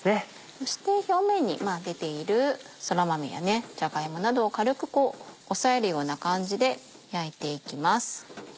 そして表面に出ているそら豆やじゃが芋などを軽く押さえるような感じで焼いていきます。